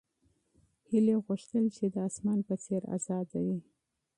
هیلې غوښتل چې د اسمان په څېر ازاده وي.